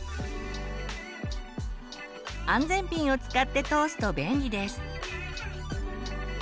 安全ピンを使って通すと便利です。